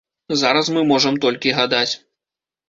Зараз мы можам толькі гадаць.